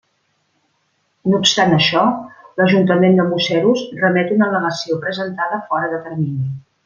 No obstant això, l'Ajuntament de Museros remet una al·legació presentada fora de termini.